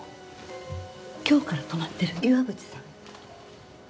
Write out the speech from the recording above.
今日から泊まってる岩淵さん。